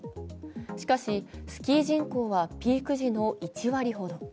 しかしスキー人口はピーク時の１割ほど。